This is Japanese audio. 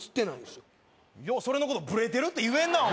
ようそれのことブレてるって言えんなお